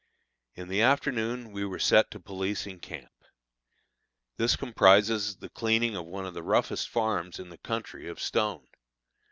In the afternoon we were set to policing camp. This comprises the cleaning of one of the roughest farms in the country of stone.